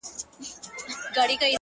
• څوك به غوږ نيسي نارو ته د بې پلارو,